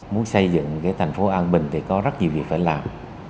muốn xây dựng cái thành phố an bình thì có rất nhiều việc phải làm